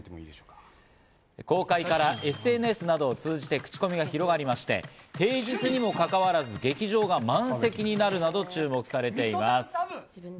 公開からＳＮＳなどを通じて口コミが広がりまして、平日にもかかわらず、劇場が満席になるなど注目されています。